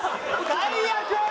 最悪！